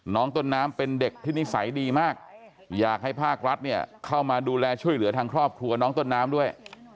น้องต้นน้ำเป็นเด็กที่นิสัยดีมากอยากให้ภาครัฐเนี่ยเข้ามาดูแลช่วยเหลือทางครอบครัวน้องต้นน้ำด้วย